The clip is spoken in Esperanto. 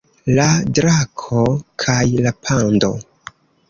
La drako kaj la pando